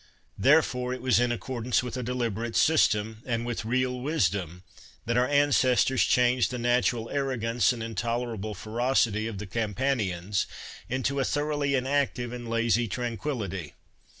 Therefore, it was in accordance with a deliberate system, and with real wisdom, that our ancestors changed the natural arrogance and intolerable ferocity of the Campanians into a thoroughly inactive and lazy tranquillity.